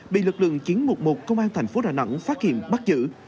bị lực lượng chiến mục một công an tp đà nẵng phát hiện bắt giữ